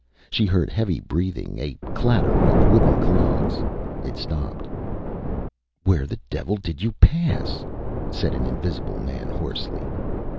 She heard heavy breathing, a clatter of wooden clogs. It stopped. ÂWhere the devil did you pass?Â said an invisible man, hoarsely.